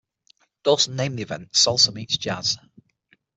Dawson named the event "Salsa Meets Jazz".